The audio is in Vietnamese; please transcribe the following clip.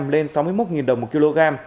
lên sáu mươi một đồng một kg